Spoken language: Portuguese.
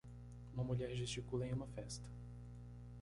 Uma mulher gesticula em uma festa.